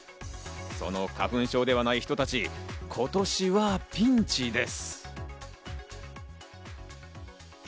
その花粉症ではない人たち、今年はピンチです。